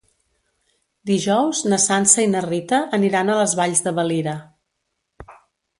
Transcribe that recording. Dijous na Sança i na Rita aniran a les Valls de Valira.